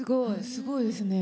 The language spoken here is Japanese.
すごいですね。